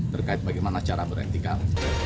terkait bagaimana cara berantikal